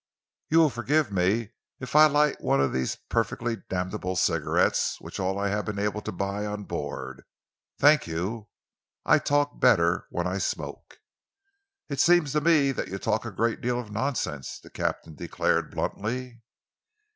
You will forgive me if I light one of these perfectly damnable cigarettes which are all I have been able to buy on board. Thank you. I talk better when I smoke." "It seems to me that you talk a great deal of nonsense," the captain declared bluntly.